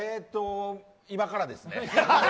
今からですね。